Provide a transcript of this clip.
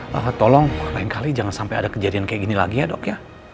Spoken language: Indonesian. maka tolong lain kali jangan sampai ada kejadian kayak gini lagi ya dok ya